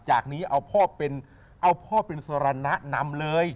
จากนี้เอาพ่อเป็นสรรนะนำเลย